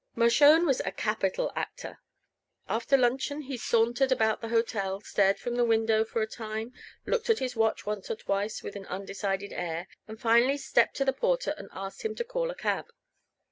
Mershone was a capital actor. After luncheon he sauntered about the hotel, stared from the window for a time, looked at his watch once or twice with an undecided air, and finally stepped to the porter and asked him to call a cab.